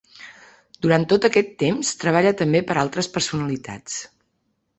Durant tot aquest temps treballa també per a altres personalitats.